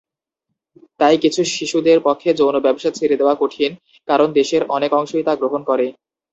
তাই কিছু শিশুদের পক্ষে যৌন ব্যবসা ছেড়ে দেওয়া কঠিন, কারণ দেশের অনেক অংশই তা গ্রহণ করে।